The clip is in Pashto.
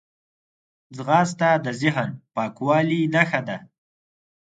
ځغاسته د ذهن پاکوالي نښه ده